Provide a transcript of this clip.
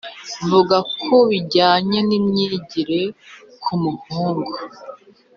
Vuga ku bijyanye n’imyigire ku muhungu